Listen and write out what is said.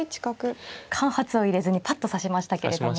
間髪を入れずにぱっと指しましたけれども。